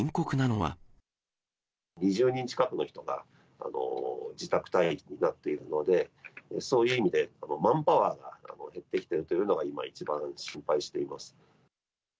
２０人近くの人が自宅待機になっているので、そういう意味で、マンパワーが減ってきているというのが今一番心配しています。